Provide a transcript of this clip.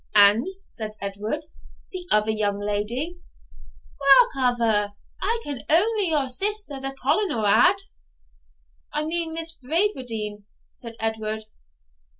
'And,' said Edward,'the other young lady?' 'Whilk other? I ken only of ae sister the Colonel had.' 'I mean Miss Bradwardine,' said Edward.